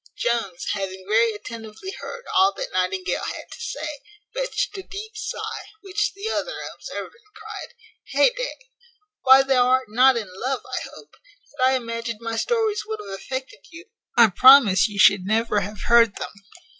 Jones, having very attentively heard all that Nightingale had to say, fetched a deep sigh; which the other, observing, cried, "Heyday! why, thou art not in love, I hope! Had I imagined my stories would have affected you, I promise you should never have heard them."